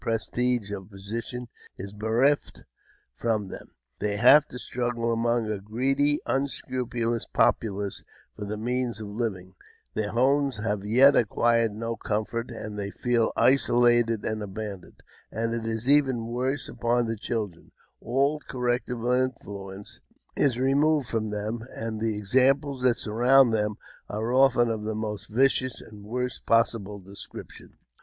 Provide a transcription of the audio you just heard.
re5%e of position is bereft from them. They have to struggle among a greedy, unscrupulous populace for the means of living ; their homes have yet acquired no com fort, and they feel isolated and abandoned; and it is even worse upon the children; all corrective influence is removed from them, and the examples that surround them are often of the most vicious and worst possible description.